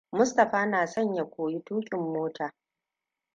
Mustapha na son ya koyi tuƙin mota.